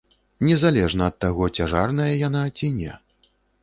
Незалежна ад таго, цяжарная яна ці не.